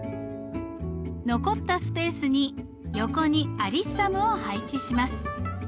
残ったスペースに横にアリッサムを配置します。